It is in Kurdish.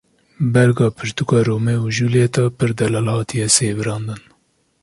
Berga pirtûka Romeo û Julîet a pir delal hatiye sêwirandin.